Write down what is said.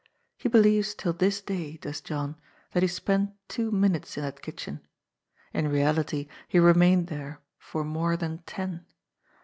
He believes till this day, does John, that he spent two minutes in that kitchen. In reality he remained there for more than ten.